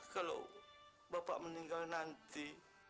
kalau bapak meninggal nanti